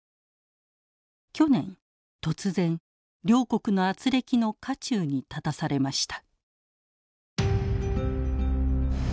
去年突然両国のあつれきの渦中に立たされました。